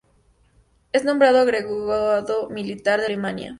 Es nombrado agregado militar en Alemania.